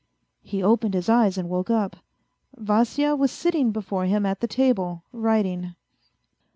He opened his eyes and woke up; Vasya was sitting before him at the table, writing.